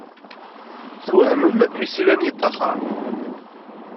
Twehhmen mi slan yeṭṭaxer.